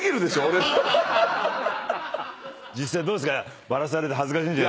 実際どうですか？